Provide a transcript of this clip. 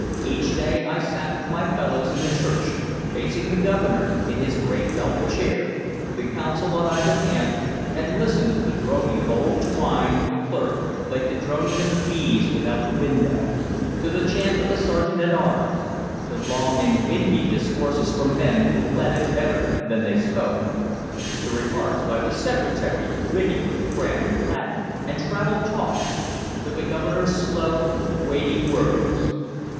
Each day I sat with my fellows in the church, facing the Governor in his great velvet chair, the Council on either hand, and listened to the droning of old Twine, the clerk, like the droning of the bees without the window; to the chant of the sergeant at arms; to long and windy discourses from men who planted better than they spoke; to remarks by the Secretary, witty, crammed with Latin and traveled talk; to the Governor's slow, weighty words.